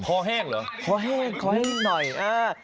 พ่อแห้งเหรอพ่อแห้งขอให้นิดหน่อยอ่า